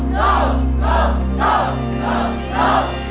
สู้ค่ะ